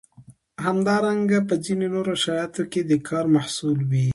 همدارنګه په ځینو نورو شرایطو کې د کار محصول وي.